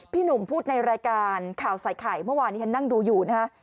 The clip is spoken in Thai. พี่หนุ่มพูดในรายการข่าวใส่ไข่เมื่อวานนี้ฉันนั่งดูอยู่นะฮะ